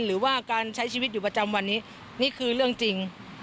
หรือว่าการใช้ชีวิตอยู่ประจำวันนี้นี่คือเรื่องจริง